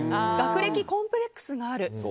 学歴コンプレックスがある。